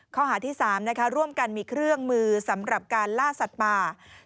ข้อหาที่๓ร่วมกันมีเครื่องมือสำหรับการล่าสัตว์ป่า